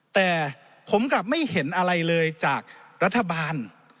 แต่ผมกลับไม่เห็นอะไรเลยจากรัฐบาล